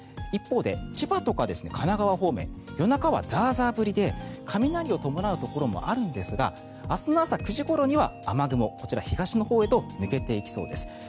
一方で千葉とか神奈川方面夜中はザーザー降りで雷を伴うところもあるんですが明日の朝９時ごろには雨雲、こちら東のほうへと抜けていきそうです。